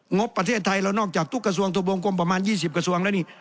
งบประเทศไทยเรานอกจากทุกกระทรวงทะวงกลมประมาณ๒๐กระทรวงแล้วนี่